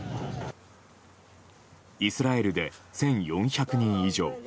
イスラエルで１４００人以上。